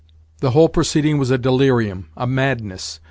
The whole proceeding was a delirium, a madness.